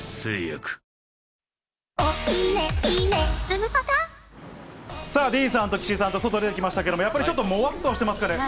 一方、さあ、ディーンさんと岸井さんと外出てきましたけど、やっぱりちょっともわっとしてますかね。